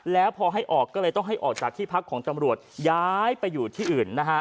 แล้วพอให้ออกก็เลยต้องให้ออกจากที่พักของตำรวจย้ายไปอยู่ที่อื่นนะฮะ